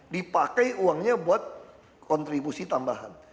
dipakai uangnya buat kontribusi tambahan